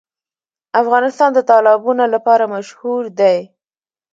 افغانستان د تالابونه لپاره مشهور دی.